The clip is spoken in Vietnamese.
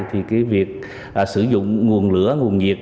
thì việc sử dụng nguồn lửa nguồn nhiệt